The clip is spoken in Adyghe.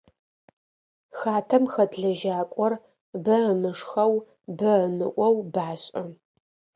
Хатэм хэт лэжьакӏор бэ ымышхэу, бэ ымыӏоу башӏэ.